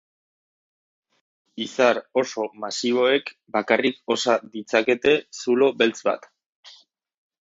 Izar oso masiboek bakarrik osa ditzakete zulo beltz bat.